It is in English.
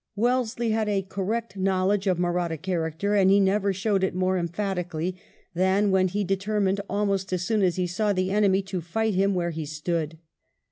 Wellesley had a correct knowledge of Mahratta character, and he never showed it more emphatically than when he determined, almost as soon as he saw the enemy, to fight him where he stood.